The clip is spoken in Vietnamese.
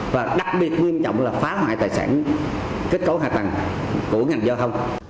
và đặc biệt nghiêm trọng là phá hoại tài sản kết cấu hạ tầng của ngành giao thông